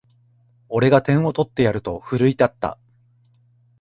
俺が点を取ってやると奮い立った